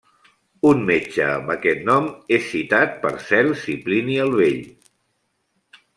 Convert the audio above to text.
Un metge amb aquest nom és citat per Cels i Plini el Vell.